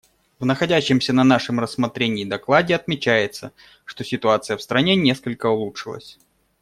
В находящемся на нашем рассмотрении докладе отмечается, что ситуация в стране несколько улучшилась.